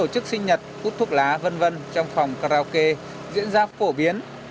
chặt cút thuốc lá vân vân trong phòng karaoke diễn ra phổ biến